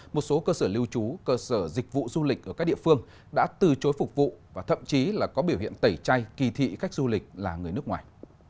một số cơ sở lưu trú cơ sở dịch vụ du lịch ở các địa phương đã từ chối phục vụ và thậm chí là có biểu hiện tẩy chay kỳ thị khách du lịch là người nước ngoài